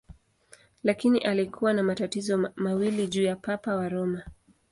Lakini alikuwa na matatizo mawili juu ya Papa wa Roma.